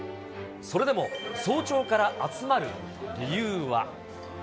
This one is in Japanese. それでも早朝から集まる理由は。